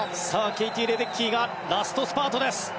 ケイティ・レデッキーがラストスパートです！